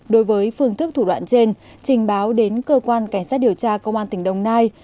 đối với phương thức thủ đoạn trên trình báo đến cơ quan cảnh sát điều tra công an tỉnh đồng nai